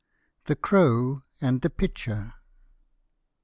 THE CROW AND THE PITCHER.